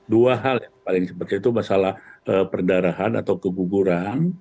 dua hal yang paling seperti itu masalah perdarahan atau keguguran